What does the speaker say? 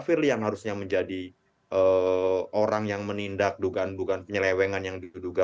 firly yang harusnya menjadi orang yang menindak dugaan dugaan penyelewangan yang diduga